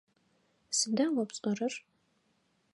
Сыда о пшӏэрэр?